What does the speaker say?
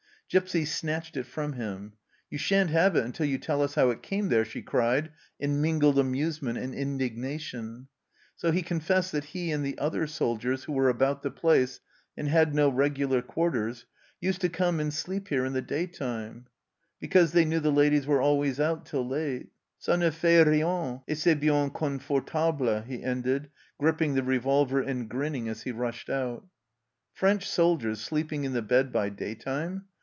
Gipsy snatched it from him. " You shan't have it until you tell us how it came there," she cried, in mingled amusement and indignation ; so he confessed that he and the other soldiers who were about the place, and had no regular quarters, used to come and sleep here in the daytime, because they knew the ladies were always out till late. " Qa ne fait rien, et c'est bien confortable," he ended, gripping the revolver and grinning as he rushed out. French soldiers sleeping in the bed by daytime